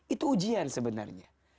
itu ujian sebenarnya